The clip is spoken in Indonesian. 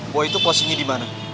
boy itu posisinya dimana